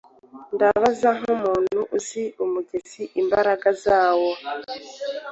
Ndabaza nkumuntu uzi umugezi imbaraga zawo